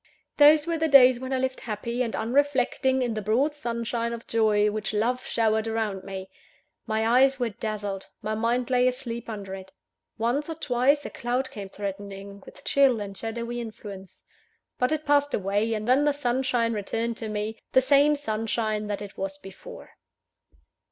Those were the days when I lived happy and unreflecting in the broad sunshine of joy which love showered round me my eyes were dazzled; my mind lay asleep under it. Once or twice, a cloud came threatening, with chill and shadowy influence; but it passed away, and then the sunshine returned to me, the same sunshine that it was before.